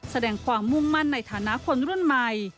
แสดงความมุ่งมั่นในฐานะคนรุ่นใหม่